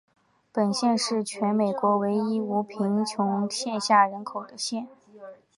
本县是全美国唯一并无贫穷线下人口的县。